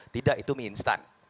tidak itu mie instan